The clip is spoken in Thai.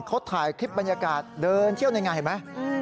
เขาถ่ายคลิปบรรยากาศเดินเที่ยวในงานเห็นไหม